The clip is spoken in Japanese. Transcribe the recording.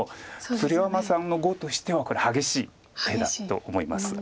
鶴山さんの碁としては激しい手だと思います。